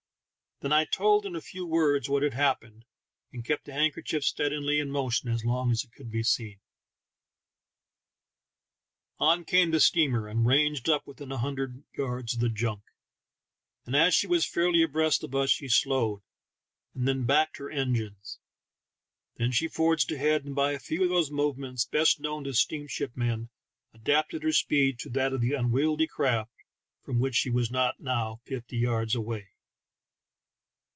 Then I told in a few words what had happened, and kept the handkerchief steadily in motion as long as it could be seen. On came the steamer, and ranged up within a hundred yards of the junk, and as she was fairly THE TALKING HANDKERCHIEF. 35 abreast of us she slowed, and then backed her engines; then she forged ahead, and by a few of those movements best known to steam ship men adapted her speed to that of the unwieldy craft, from which she was not now fifty yards away.